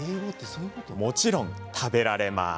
もちろん食べられます。